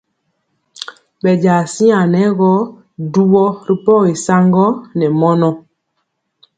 Bɛnja siaŋ nɛ gɔ duwɔ ri pɔgi saŋgɔ ne mɔnɔ.